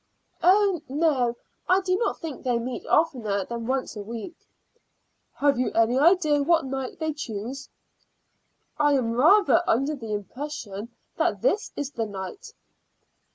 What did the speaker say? "Oh, no; I do not think they meet oftener than once a week." "Have you any idea what night they choose?" "I am rather under the impression that this is the night."